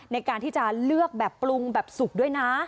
ในการที่จะเลือกแบบปรุงแบบสุกด้วยนะ